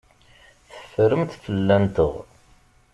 Teffremt fell-anteɣ.